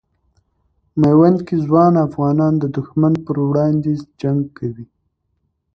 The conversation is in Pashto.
میوند کې ځوان افغانان د دښمن پر وړاندې جنګ کوي.